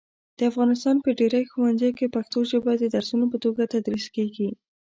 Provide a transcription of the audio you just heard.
د افغانستان په ډېری ښوونځیو کې پښتو ژبه د درسونو په توګه تدریس کېږي.